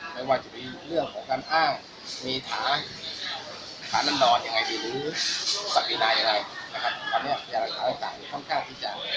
ไม่ว่าจะมีเรื่องของการอ้างมีถาถานัดนอนยังไงดีหรือสักปีนายังไง